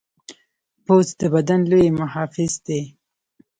پوست د بدن لوی محافظ دی.